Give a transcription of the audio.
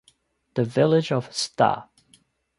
The village of Sta.